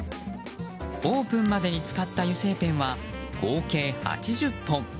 オープンまでに使った油性ペンは合計８０本。